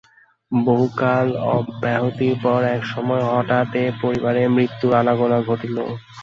বহুকাল অব্যাহতির পর এক সময়ে হঠাৎ এই পরিবারে মৃত্যুর আনাগোনা ঘটিল।